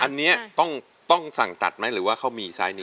อันนี้ต้องสั่งตัดไหมหรือว่าเขามีไซส์นี้